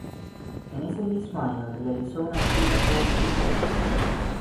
En ese mismo año realizó una gira por su país.